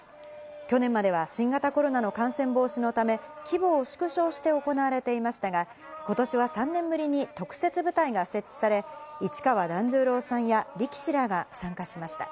去年までは新型コロナの感染防止のため、規模を縮小して行われていましたが、今年は３年ぶりに特設舞台が設置され、市川團十郎さんや力士らが参加しました。